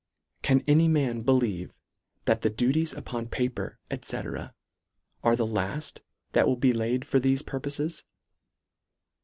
Can any man believe that the duties upon paper, &c. are the laft that will be laid for thefe purposes